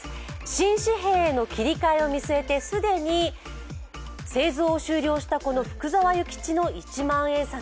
新紙幣への切り替えを見据えて既に製造を終了した、この福沢諭吉の一万円札。